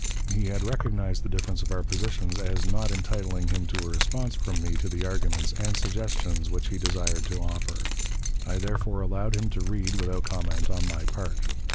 He had recognized the difference of our positions as not entitling him to a response from me to the arguments and suggestions which he desired to offer. I therefore allowed him to read without comment on my part.